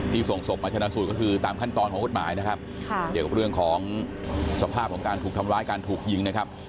ส่งศพมาชนะสูตรก็คือตามขั้นตอนของกฎหมายนะครับเกี่ยวกับเรื่องของสภาพของการถูกทำร้ายการถูกยิงนะครับ